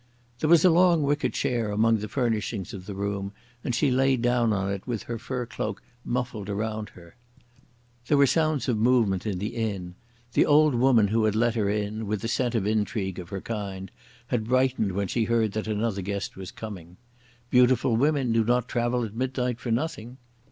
There was a long wicker chair among the furnishings of the room, and she lay down on it with her fur cloak muffled around her. There were sounds of movement in the inn. The old woman who had let her in, with the scent of intrigue of her kind, had brightened when she heard that another guest was coming. Beautiful women do not travel at midnight for nothing.